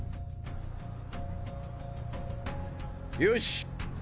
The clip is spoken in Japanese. よし！